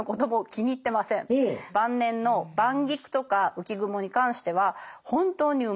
晩年の「晩菊」とか「浮雲」に関しては本当にうまい。